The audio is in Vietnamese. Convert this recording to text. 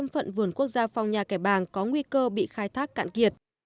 phận vườn quốc gia phong nhà kẻ bàng có nguy cơ bị khai thác cạn kiệt